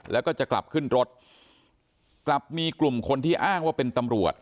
แล้วก็จะกลับขึ้นรถกลับมีกลุ่มคนที่อ้างว่าเป็นตำรวจ